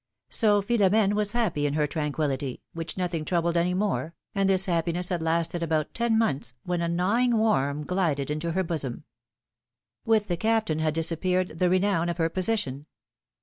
So Philomene was happy in her tranquillity, which nothing troubled any more, and this happiness had lasted about ten months, when a gnawing worm glided into her bosom. With the Captain had disappeared the renown of her position.